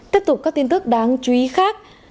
tiếp tục các tin tức đáng chú ý khác